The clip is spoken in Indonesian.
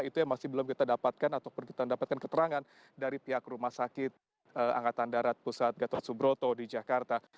itu yang masih belum kita dapatkan ataupun kita dapatkan keterangan dari pihak rumah sakit angkatan darat pusat gatot subroto di jakarta